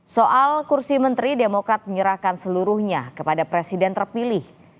soal kursi menteri demokrat menyerahkan seluruhnya kepada presiden terpilih